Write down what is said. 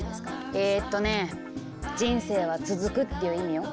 えっとね「人生は続く」っていう意味よ。